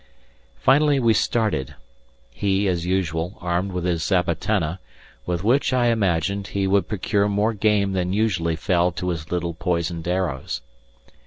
Finally we started, he, as usual, armed with his zabatana, with which, I imagined, he would procure more game than usually fell to his little poisoned arrows.